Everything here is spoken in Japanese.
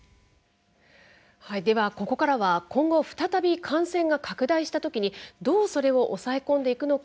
では、ここからは今後再び感染が拡大したときにどうそれを抑え込んでいくのか。